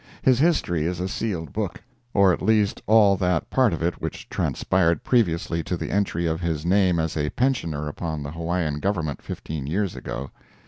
His history is a sealed book—or at least all that part of it which transpired previously to the entry of his name as a pensioner upon the Hawaiian Government fifteen years ago.